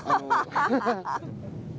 ハハハハハ！